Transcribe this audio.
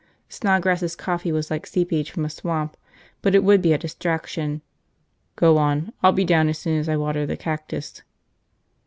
Snodgrass' coffee was like seepage from a swamp but it would be a distraction. "Go on. I'll be down as soon as I water the cactus."